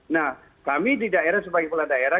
nah kami di daerah sebagai kepala daerah